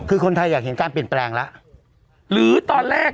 คือคนไทยอยากเห็นการเปลี่ยนแปลงแล้วหรือตอนแรก